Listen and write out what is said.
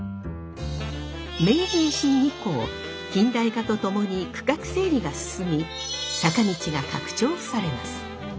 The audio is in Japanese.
明治維新以降近代化とともに区画整理が進み坂道が拡張されます。